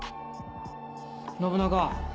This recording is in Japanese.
信長。